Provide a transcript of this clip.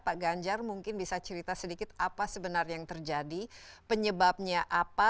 pak ganjar mungkin bisa cerita sedikit apa sebenarnya yang terjadi penyebabnya apa